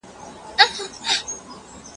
که ته غواړې نو زه به درته د کلي بله کیسه وکړم.